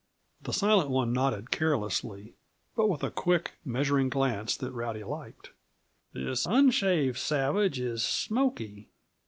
The Silent One nodded carelessly, but with a quick, measuring glance that Rowdy liked. "This unshaved savage is Smoky.